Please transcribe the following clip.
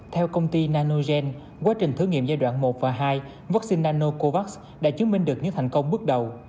theo công ty nanogen quá trình thử nghiệm giai đoạn một và hai vaccine nanocovax đã chứng minh được những thành công bước đầu